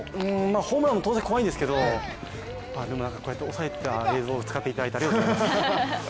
ホームランも当然怖いですけどこうやって抑えた映像を使っていただいてありがとうございます。